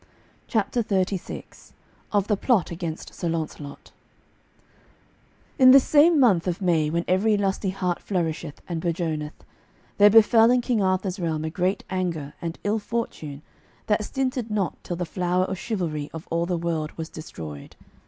CHAPTER XXXVI OF THE PLOT AGAINST SIR LAUNCELOT In this same month of May when every lusty heart flourisheth and bourgeoneth, there befell in King Arthur's realm a great anger and ill fortune that stinted not till the flower of chivalry of all the world was destroyed.